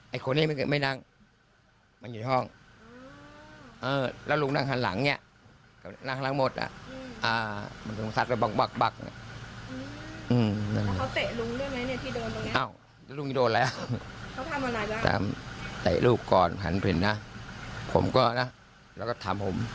อีกคนนี้ไม่นังเข้าในห้องแล้วลุงนั่งหลังหัวผมนี้เป็นพลวงสักสัก